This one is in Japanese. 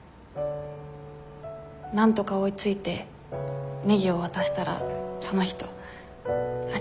なんとか追いついてネギを渡したらその人「ありがとう。